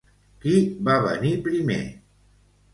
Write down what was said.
Qui va venir primer?